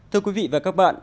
thưa quý vị và các bạn